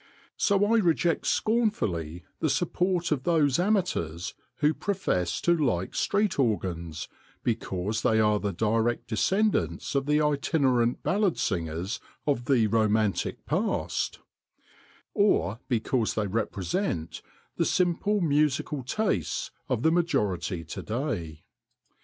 So I reject scornfully the support of those amateurs who profess to like street organs because they are the direct de scendants of the itinerant ballad singers of the romantic past ; or because they repre sent the simple musical tastes of the majority 144 STREET ORGANS 145 to day.